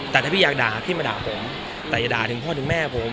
แต่ถ้าพี่อยากด่าพี่มาด่าผมแต่อย่าด่าถึงพ่อถึงแม่ผม